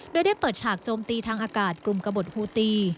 โดยได้เปิดฉากโจมตีทางอากาศกลุ่มกระบดหูตี